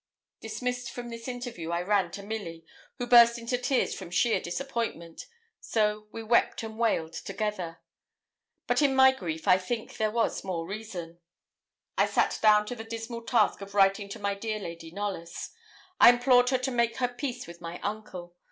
Dismissed from this interview, I ran to Milly, who burst into tears from sheer disappointment, so we wept and wailed together. But in my grief I think there was more reason. I sat down to the dismal task of writing to my dear Lady Knollys. I implored her to make her peace with my uncle.